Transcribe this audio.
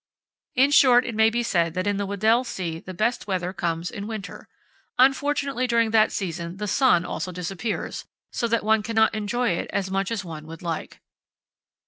In short, it may be said that in the Weddell Sea the best weather comes in winter. Unfortunately during that season the sun also disappears, so that one cannot enjoy it as much as one would like.